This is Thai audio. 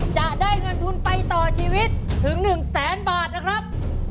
จะได้เงินทุนไปต่อชีวิตถึง๑แสนบาทนะครับ